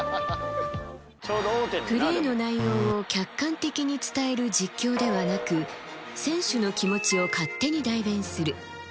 プレーの内容を客観的に伝える実況ではなく、選手の気持ちを勝手に代弁する。